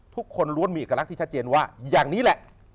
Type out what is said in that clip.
ทุกคนล้วนมีเอกลักษณ์ที่ชัดเจนว่าอย่างนี้แหละ